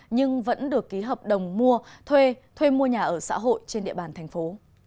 nhưng vẫn được ký hợp đồng mua thuê thuê mua nhà ở xã hội trên địa bàn thành phố